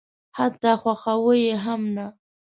حتی خواښاوه یې هم نه.